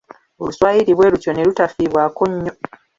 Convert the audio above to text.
Oluswayiri bwe lutyo ne lutafiibwako nnyo.